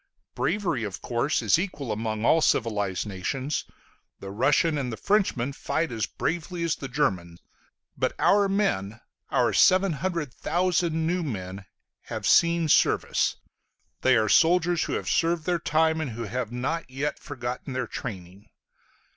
Bravery, of course, is equal among all civilized nations; the Russian and the Frenchman fight as bravely as the German: but our men, our 700,000 new men, have seen service; they are soldiers who have served their time, and who have not yet forgotten their training.